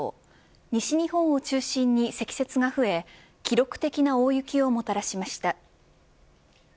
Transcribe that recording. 西日本を中心に積雪が増え記録的な大雪をもたらしました。